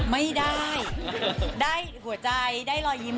ไม่ได้ได้หัวใจได้รอยยิ้ม